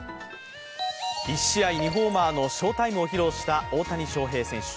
１試合２ホーマーの翔タイムを披露した大谷翔平選手。